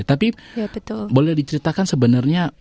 tapi boleh diceritakan sebenarnya